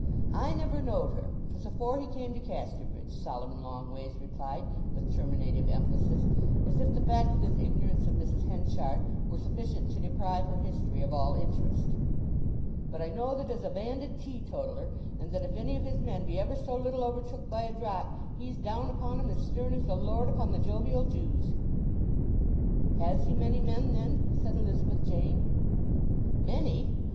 "I never knowed her. 'Twas afore he came to Casterbridge," Solomon Longways replied with terminative emphasis, as if the fact of his ignorance of Mrs. Henchard were sufficient to deprive her history of all interest. "But I know that 'a's a banded teetotaller, and that if any of his men be ever so little overtook by a drop he's down upon 'em as stern as the Lord upon the jovial Jews." "Has he many men, then?" said Elizabeth Jane. "Many!